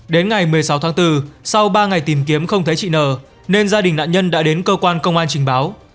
đến ngày một mươi sáu tháng bốn sau ba ngày tìm kiếm không thấy chị nờ nên gia đình nạn nhân đã đến cơ quan công an trình báo